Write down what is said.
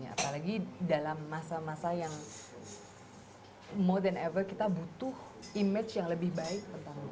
apalagi dalam masa masa yang more than ever kita butuh image yang lebih baik